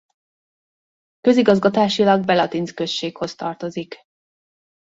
Közigazgatásilag Belatinc községhoz tartozik.